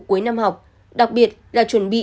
cuối năm học đặc biệt là chuẩn bị